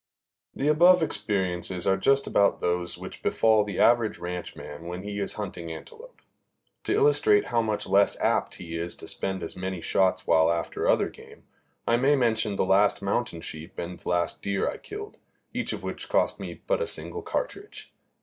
The above experiences are just about those which befall the average ranchman when he is hunting antelope. To illustrate how much less apt he is to spend as many shots while after other game, I may mention the last mountain sheep and last deer I killed, each of which cost me but a single cartridge.